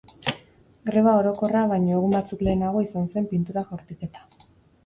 Greba orokorra baino egun batzuk lehenago izan zen pintura jaurtiketa.